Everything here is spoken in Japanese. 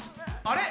あれ？